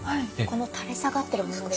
この垂れ下がってるものですか？